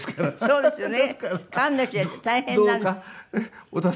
そうですね。